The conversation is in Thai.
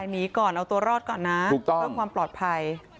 หนีก่อนเอาตัวรอดก่อนนะเพื่อความปลอดภัย